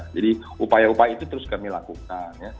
jadi upaya upaya itu terus kami lakukan